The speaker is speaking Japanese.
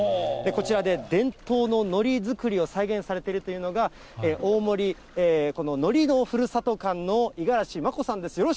こちらで、伝統ののり作りを再現されているというのが、大森海苔のふるさと館の五十嵐麻子さんです。